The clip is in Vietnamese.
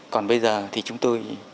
còn bây giờ thì chúng tôi